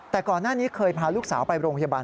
แต่ก่อนหน้านี้เคยพาลูกสาวไปโรงพยาบาล